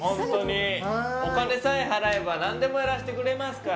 お金さえ払えば何でもやらせてくれますから。